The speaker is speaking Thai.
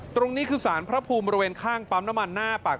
ตรงนี้คือสารพระภูมิบริเวณข้างปั๊มน้ำมันหน้าปาก